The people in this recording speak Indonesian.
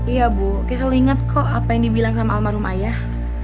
iya bu kay selalu inget kok apa yang dibilang sama almarhum ayah